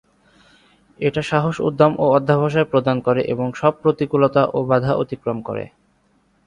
এটা সাহস, উদ্যম ও অধ্যবসায় প্রদান করে এবং সব প্রতিকূলতা ও বাধা অতিক্রম করে।